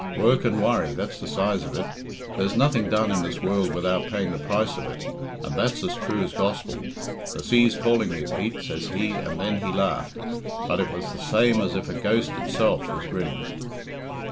Work and worry, that's the size of it. There's nothing done in this world without paying the price of it, and that's as true as gospel. 'The sea's calling me, Pete,' says he, and then he laughed, but it was the same as if a ghost itself was grinning."